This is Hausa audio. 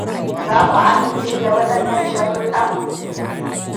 Za ku amince da waɗannan sharuɗɗan?